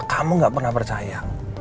kamu gak pernah percaya